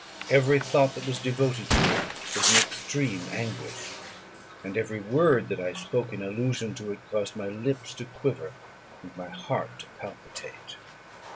Every thought that was devoted to it was an extreme anguish, and every word that I spoke in allusion to it caused my lips to quiver, and my heart to palpitate.